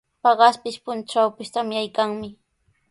Paqaspis, puntrawpis tamyaykanmi.